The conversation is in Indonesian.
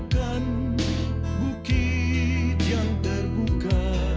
bukan bukit yang terbuka